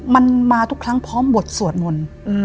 มันมาทุกครั้งพร้อมบทสวดมนต์